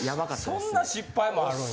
そんな失敗もあるんや。